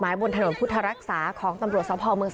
มีกล้วยติดอยู่ใต้ท้องเดี๋ยวพี่ขอบคุณ